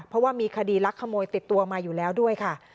เพราะว่ามีคดีลักขโมยติดตัวมาอยู่แล้วด้วยค่ะ